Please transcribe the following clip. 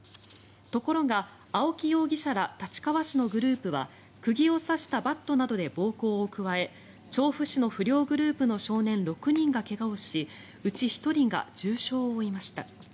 ところが、青木容疑者ら立川市のグループは釘を刺したバットなどで暴行を加え調布市の不良グループの少年６人が怪我をしうち１人が重傷を負いました。